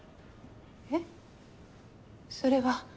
えっそれは。